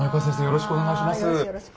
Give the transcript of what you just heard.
よろしくお願いします。